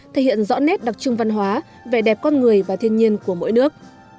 thể hiện rõ nét đặc trưng văn hóa vẻ đẹp con người và thiên nhiên của mỗi nước